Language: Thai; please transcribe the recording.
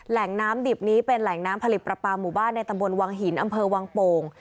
แหล่งน้ำดิบนี้เป็นแหล่งน้ำผลิตประปาหมู่บ้านในตำบลวังหินอำเภอวังโป่ง